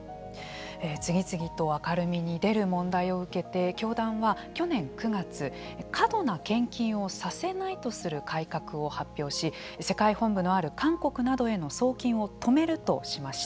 次々と明るみに出る問題を受けて教団は去年９月過度な献金をさせないとする改革を発表し世界本部のある韓国などへの送金を止めるとしました。